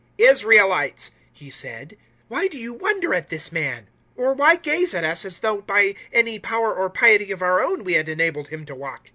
"Israelites," he said, "why do you wonder at this man? Or why gaze at us, as though by any power or piety of our own we had enabled him to walk?